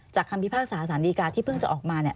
จากคัมภิพากษาศาลดีการ์ที่เพิ่งจะออกมาเนี่ย